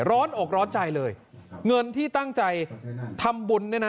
อกร้อนใจเลยเงินที่ตั้งใจทำบุญเนี่ยนะ